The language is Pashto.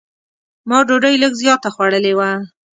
ما ډوډۍ لږ زیاته خوړلې وه.